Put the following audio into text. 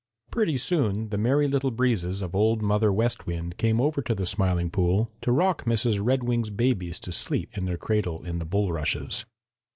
Pretty soon the Merry Little Breezes of Old Mother West Wind came over to the Smiling Pool to rock Mrs. Redwing's babies to sleep in their cradle in the bulrushes.